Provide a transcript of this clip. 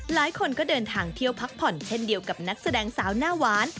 หลายคนก็เดินทางเที่ยวพักผ่อนเช่นเดียวกับนักแสดงสาวหน้าหวาน